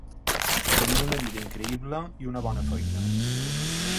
Tenia una vida increïble i una bona feina.